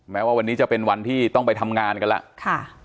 แม้ว่าวันนี้จะเป็นวันที่ต้องไปทำงานกันแล้ว